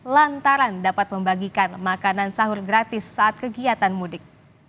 lantaran dapat membagikan makanan sahur gratis saat kegiatan mudik